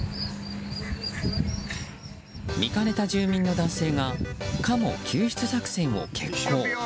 見かねた住民の男性がカモ救出作戦を決行。